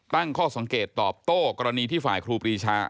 ตั้งข้อสังเกตตอบโต้กรณีที่ฝ่ายครูปรีชา